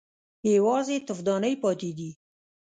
_يوازې تفدانۍ پاتې دي.